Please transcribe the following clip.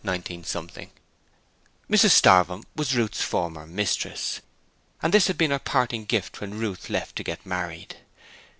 19 ' Mrs Starvem was Ruth's former mistress, and this had been her parting gift when Ruth left to get married.